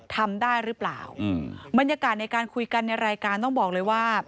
ทำได้หรือเปล่าอืมบรรยากาศในการคุยกันในรายการต้องบอกเลยว่า